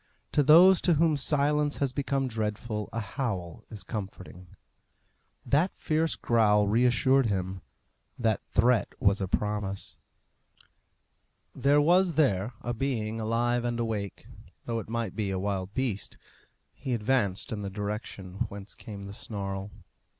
To those to whom silence has become dreadful a howl is comforting. That fierce growl reassured him; that threat was a promise. There was there a being alive and awake, though it might be a wild beast. He advanced in the direction whence came the snarl.